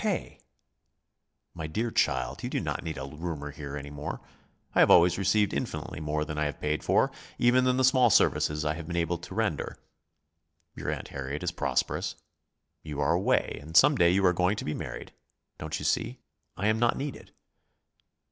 "K.!" "My dear child, you do not need a roomer here any more. I have always received infinitely more than I have paid for, even in the small services I have been able to render. Your Aunt Harriet is prosperous. You are away, and some day you are going to be married. Don't you see I am not needed?"